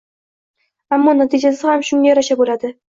ammo natijasi ham shunga yarasha bo‘ladi».